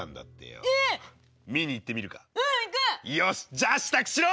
じゃあ支度しろ！